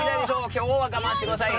きょうは我慢してください！